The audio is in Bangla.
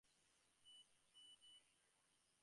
বললে, আরো দু-চার জায়গা থেকে চেষ্টা দেখো, আমার আর সাধ্য নেই।